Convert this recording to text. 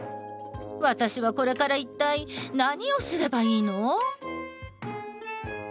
私はこれからいったい何をすればいいの？